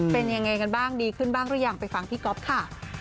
เป็นยังไงกันบ้างดีขึ้นบ้างหรือยังไปฟังพี่ก๊อฟค่ะ